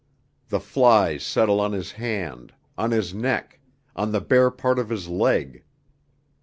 The flies settle on his hand, on his neck, on the bare part of his leg.